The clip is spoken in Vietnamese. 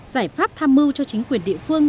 giải pháp tham mưu cho chính quyền địa phương